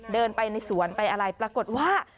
เดินไปในสวนไปอะไรปรากฏว่า